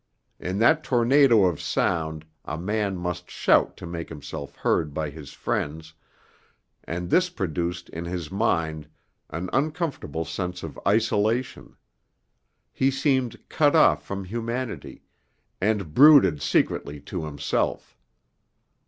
In that tornado of sound a man must shout to make himself heard by his friends, and this produced in his mind an uncomfortable sense of isolation; he seemed cut off from humanity, and brooded secretly to himself.